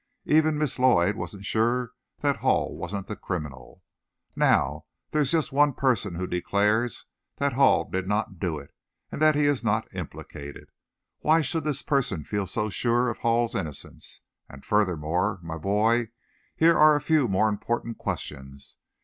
Even Miss Lloyd wasn't sure that Hall wasn't the criminal. Now, there's just one person who declares that Hall did not do it, and that he is not implicated. Why should this person feel so sure of Hall's innocence? And, furthermore, my boy, here are a few more important questions.